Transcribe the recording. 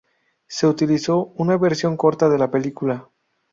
Se utilizó una versión corta de la película.